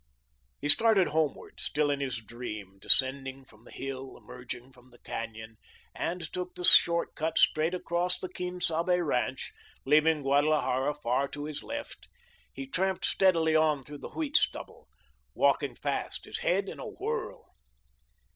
He started homeward, still in his dream, descending from the hill, emerging from the canyon, and took the short cut straight across the Quien Sabe ranch, leaving Guadalajara far to his left. He tramped steadily on through the wheat stubble, walking fast, his head in a whirl.